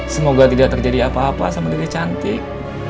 semoga tidak terjadi apa apa sama diri cantik